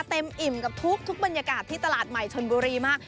อิ่มกับทุกบรรยากาศที่ตลาดใหม่ชนบุรีมาก